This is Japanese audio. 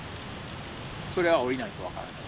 それは降りないと分からない。